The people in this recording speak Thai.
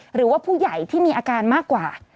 หรือว่าผู้ใหญ่ที่มีอาการมากกว่า